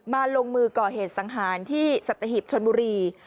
ลงมือก่อเหตุสังหารที่สัตหิบชนบุรี